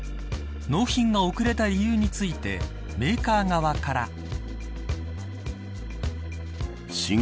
納品が遅れた理由についてメーカー側から。